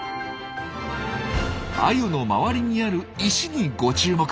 アユの周りにある石にご注目。